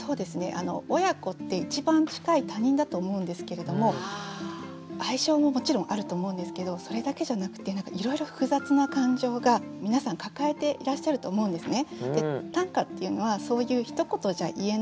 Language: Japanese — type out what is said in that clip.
あの親子って一番近い他人だと思うんですけれども愛情ももちろんあると思うんですけどそれだけじゃなくて何かいろいろ複雑な感情が皆さん抱えていらっしゃると思うんですね。